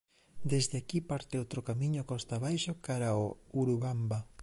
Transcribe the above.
Desde aquí parte outro camiño costa abaixo cara ao Urubamba.